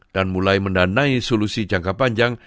dan mulai mendanai solusi jangka panjang